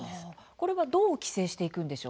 これはどう規制していくんでしょうか。